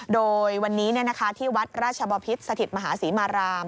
โดยวันนี้ที่วัดราชบพิษสถิตมหาศรีมาราม